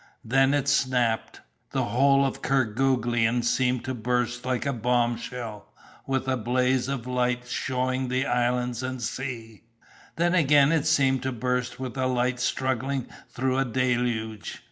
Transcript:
Then it snapped. The whole of Kerguelen seemed to burst like a bomb shell with a blaze of light shewing islands and sea. Then again it seemed to burst with a light struggling through a deluge.